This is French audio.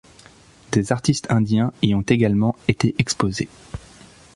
Des artistes indiens y ont également été exposés.